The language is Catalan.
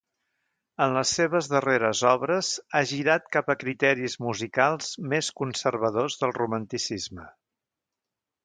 En les seves darreres obres ha girat cap a criteris musicals més conservadors del romanticisme.